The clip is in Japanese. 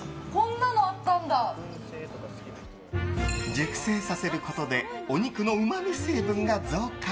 熟成させることでお肉のうまみ成分が増加。